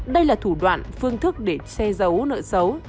đây là thủ đoạn phương thức để che giấu nợ xấu